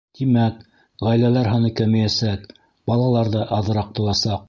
Тимәк, ғаиләләр һаны кәмейәсәк, балалар ҙа аҙыраҡ тыуасаҡ.